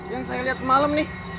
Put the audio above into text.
yang saya lihat semalam nih